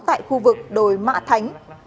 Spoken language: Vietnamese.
tại khu vực đồi mạ thánh